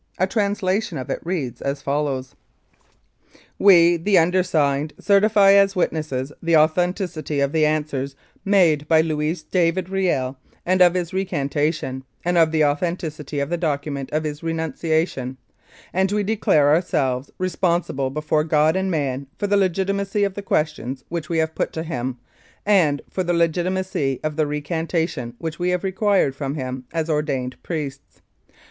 A translation of it reads as follows : 229 Mounted Police Life in Canada "We, the undersigned, certify as witnesses the authen ticity of the answers made by Louis David Kiel and of his recantation, and of the authenticity of the document of his renunciation ; and we declare ourselves responsible before God and man for the legitimacy of the questions which we have put to him and for the legitimacy of the recantation which we have required from him as ordained priests.